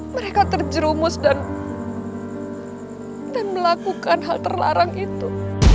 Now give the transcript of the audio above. mereka terjerumus dan melakukan hal terlarang itu